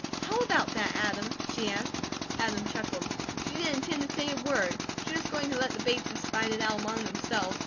"How about that, Adam?" she asked. Adam chuckled. "She didn't intend to say a word. She was going to let the Bateses fight it out among themselves.